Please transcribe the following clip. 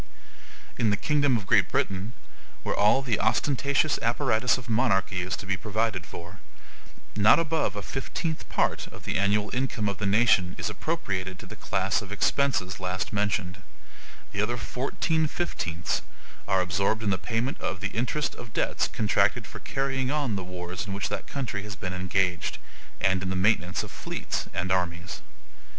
In the kingdom of Great Britain, where all the ostentatious apparatus of monarchy is to be provided for, not above a fifteenth part of the annual income of the nation is appropriated to the class of expenses last mentioned; the other fourteen fifteenths are absorbed in the payment of the interest of debts contracted for carrying on the wars in which that country has been engaged, and in the maintenance of fleets and armies.